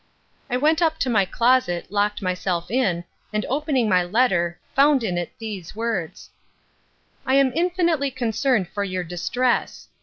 I went up to my closet, locked myself in, and opening my letter, found in it these words: 'I am infinitely concerned for your distress.